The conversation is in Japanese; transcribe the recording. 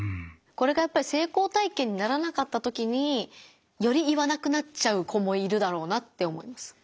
これがやっぱり成功体験にならなかったときにより言わなくなっちゃう子もいるだろうなって思います。